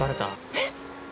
えっ？